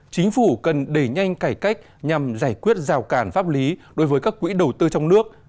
chính phủ cần đẩy nhanh cải cách nhằm giải quyết rào cản pháp lý đối với các quỹ đầu tư trong nước